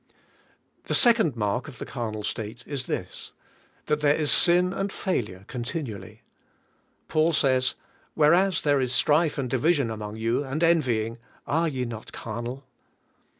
The second mark of the carnal state is this: CARNAL CHRISTIANS 11 that there is sin and failure continually. Paul says: "Whereas there is strife and division among you, and envying, are ye not carnal?"